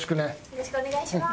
よろしくお願いします。